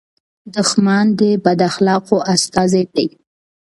دښمن د بد اخلاقو استازی دی